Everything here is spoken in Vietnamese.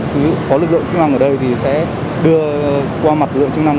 cứ có lực lượng chức năng ở đây thì sẽ đưa qua mặt lực lượng chức năng